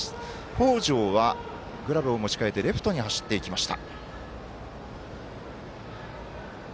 北條はグラブを持ち変えてレフトに走っていきました。